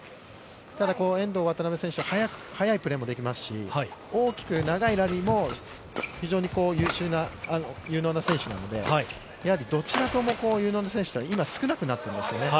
ただ遠藤・渡辺選手は速いプレーもできますし、大きく長いラリーも、非常に有能な選手なので、やはりどちらとも有能な選手というのは今、少なくなっていますよね。